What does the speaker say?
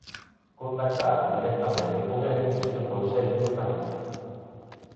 Contactaron directamente con el desde o Concello de Cambre.